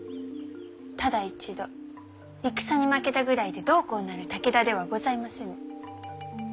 ただ一度戦に負けたぐらいでどうこうなる武田ではございませぬ。